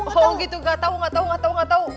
oh gitu gak tau gak tau gak tau gak tau